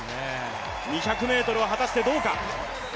２００ｍは果たしてどうか。